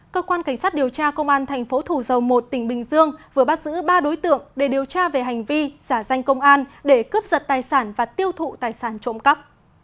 cơ quan cảnh sát điều tra công an thành phố thủ dầu một tỉnh bình dương vừa bắt giữ ba đối tượng để điều tra về hành vi giả danh công an để cướp giật tài sản và tiêu thụ tài sản trộm cắp